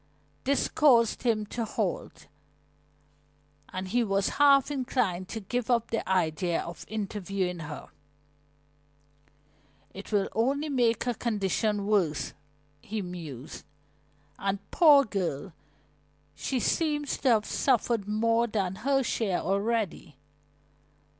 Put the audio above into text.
This caused him to halt, and he was half inclined to give up the idea of interviewing her, "It will only make her condition worse," he mused. "And, poor girl, she seems to have suffered more than her share already.